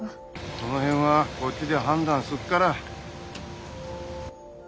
その辺はこっちで判断すっから。